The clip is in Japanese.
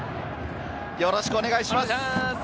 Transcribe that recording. よろしくお願いします。